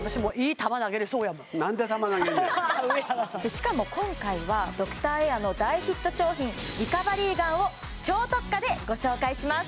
しかも今回はドクターエアの大ヒット商品リカバリーガンを超特価でご紹介します